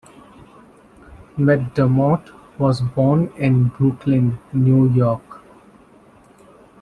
McDermott was born in Brooklyn, New York.